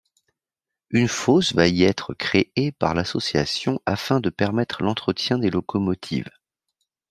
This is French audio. Une fosse va y être créée par l'association afin de permettre l'entretien des locomotives.